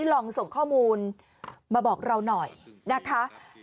ลองส่งข้อมูลมาบอกเราหน่อยนะคะ